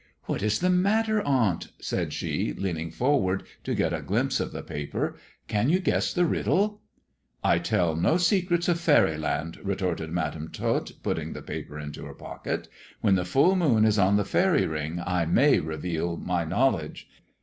" What is the matter, aunt 1 " said she, leaning forward to get a glimpse of the paper ;" can you guess the riddle 1 "" I tell no secrets of faeryland," retorted Madam Tot, putting the paper into her pocket. " When the full moon is on the faery ring I may reveal my knowledge."